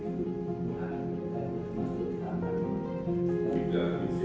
apa yang kau percaya negara ini